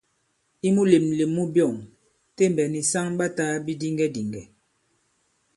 I mulèmlèm mu byɔ̂ŋ, Tembɛ̀ nì saŋ ɓa tāā bidiŋgɛdìŋgɛ̀.